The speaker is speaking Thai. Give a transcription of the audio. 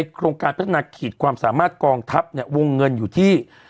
เกี่ยวกับปฏิวัติ